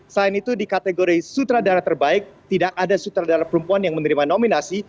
selain itu di kategori sutradara terbaik tidak ada sutradara perempuan yang menerima nominasi